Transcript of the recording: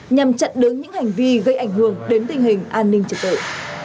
nhằm chặn đớn những hành vi gây ảnh hưởng đến tình hình an ninh trực tội